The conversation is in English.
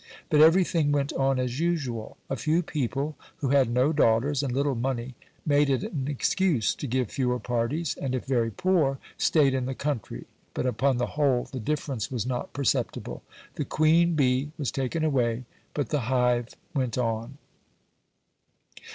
But everything went on as usual. A few people who had no daughters and little money made it an excuse to give fewer parties, and if very poor, stayed in the country, but upon the whole the difference was not perceptible. The queen bee was taken away, but the hive went on.